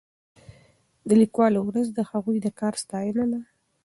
د لیکوالو ورځ د هغوی د کار ستاینه ده.